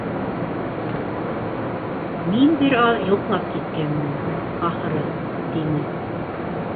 — Мин бер аҙ йоҡлап киткәнмен, ахыры, — тине.